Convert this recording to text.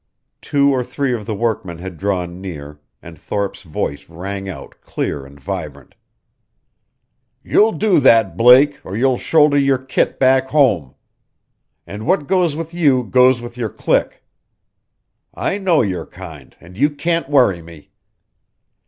Two or three of the workmen had drawn near, and Thorpe's voice rang out clear and vibrant. "You'll do that, Blake, or you'll shoulder your kit back home. And what goes with you goes with your clique. I know your kind, and you can't worry me.